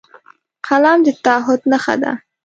قلم د تعهد نښه ده